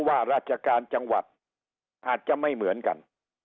อาจจะไม่เหมือนกัน